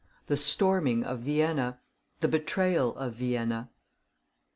THE STORMING OF VIENNA THE BETRAYAL OF VIENNA.